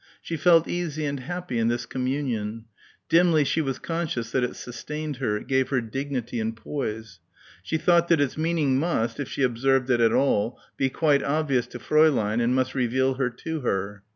She felt easy and happy in this communion. Dimly she was conscious that it sustained her, it gave her dignity and poise. She thought that its meaning must, if she observed it at all, be quite obvious to Fräulein and must reveal her to her.